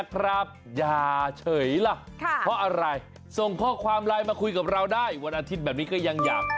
ครับอย่าเฉยล่ะเพราะอะไรส่งข้อความไลน์มาคุยกับเราได้วันอาทิตย์แบบนี้ก็ยังอยาก